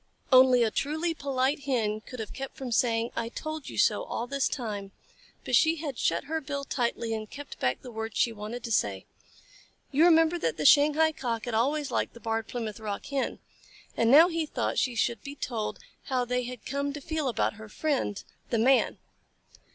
Only a truly polite Hen could have kept from saying "I told you so," all this time, but she had shut her bill tightly and kept back the words she wanted to say. You remember that the Shanghai Cock had always liked the Barred Plymouth Rock Hen, and now he thought she should be told how they had come to feel about her friend, the Man.